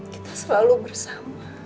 kita selalu bersama